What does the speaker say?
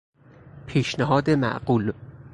پیشنهاد معقول